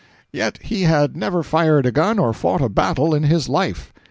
Yet he had never fired a gun or fought a battle in his life.